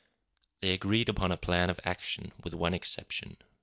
They agreed upon a plan of action with one exception.